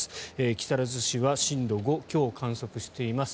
木更津市は震度５強を観測しています。